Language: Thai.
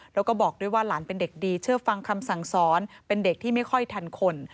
แล้วก็บอกด้วยว่าหลานเป็นเด็กดีเชื่อฟังคำสั่งสอนเป็นเด็กที่ไม่ค่อยทันคน